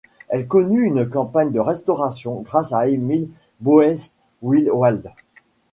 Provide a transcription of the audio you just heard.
Elle connut une campagne de restauration grâce à Émile Boeswillwald.